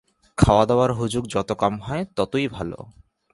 খাওয়াদাওয়ার হুজুগ যত কম হয়, ততই ভাল।